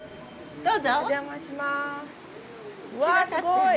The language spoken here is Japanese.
どうぞ。